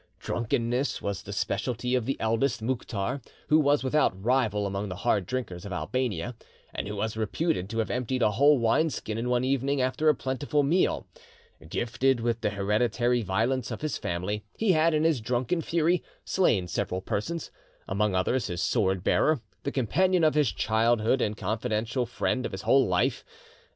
Drunkenness was the speciality of the eldest, Mouktar, who was without rival among the hard drinkers of Albania, and who was reputed to have emptied a whole wine skin in one evening after a plentiful meal. Gifted with the hereditary violence of his family, he had, in his drunken fury, slain several persons, among others his sword bearer, the companion of his childhood and confidential friend of his whole life.